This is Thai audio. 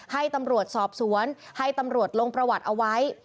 ให้ตำรวจสอบสวนให้ตำรวจลงประวัติเอาไว้